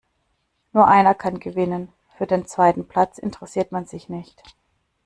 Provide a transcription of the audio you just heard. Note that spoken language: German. Nur einer kann gewinnen. Für den zweiten Platz interessiert man sich nicht.